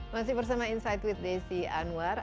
masih bersama insight with desi anwar